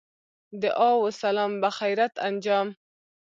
دعا و سلام بخیریت انجام.